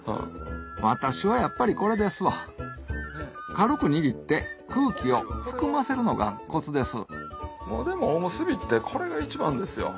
私はやっぱりこれですわ軽く握って空気を含ませるのがコツですもうおむすびってこれが一番ですよ。